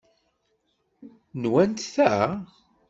Nwent ta?